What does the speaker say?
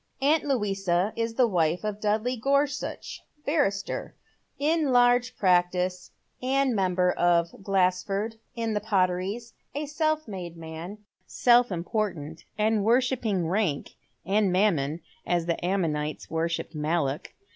Aunt Louisa is the wife of Dudley Gorsuch, barrister, in large practice, and member for Glaseford, in the Potteries, a self made man, self important, and worshipping rank and mam mon, as the Ammonites worshipped Moloch.